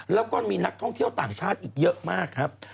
แล้วก็มีนักท่องเที่ยวต่างชาติอีกเยอะมากครับ